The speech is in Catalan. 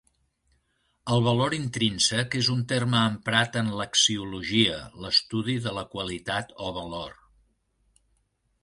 El valor intrínsec és un terme emprat en l'axiologia, l'estudi de la qualitat o valor.